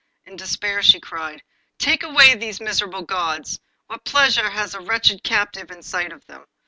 In despair she cried, 'Take away these miserable gauds! what pleasure has a wretched captive in the sight of them?